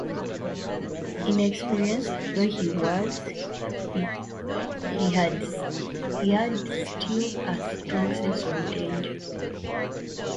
Inexperienced though he was he had still a strong sense of danger.